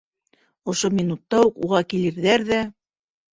Ошо минутта уҡ уға килерҙәр ҙә: